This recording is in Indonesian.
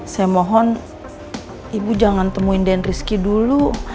saya mohon ibu jangan temuin dan rizky dulu